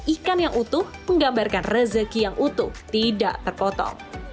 ikan yang utuh menggambarkan rezeki yang utuh tidak terpotong